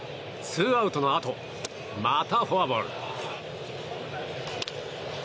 ツーアウトのあとまたフォアボール。